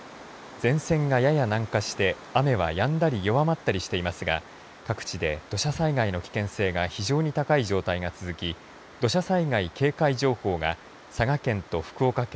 前線がやや南下して雨はやんだり弱まったりしていますが各地で土砂災害の危険性が非常に高い状態が続き土砂災害警戒情報が佐賀県と福岡県